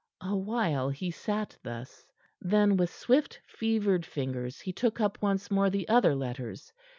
A while he sat thus; then with swift fevered fingers he took up once more the other letters.